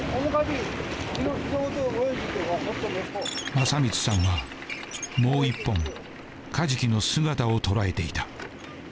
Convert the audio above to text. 正光さんはもう一本カジキの姿を捉えていた。